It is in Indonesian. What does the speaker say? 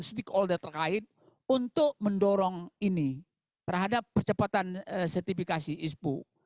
stakeholder terkait untuk mendorong ini terhadap percepatan sertifikasi ispu